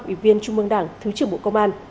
ủy viên trung mương đảng thứ trưởng bộ công an